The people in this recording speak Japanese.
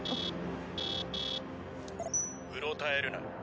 うろたえるな。